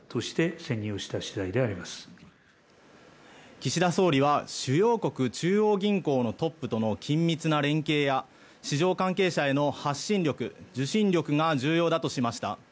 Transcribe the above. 岸田総理は主要国中央銀行のトップとの緊密な連携や市場関係者への発信力・受信力が重要だとしました。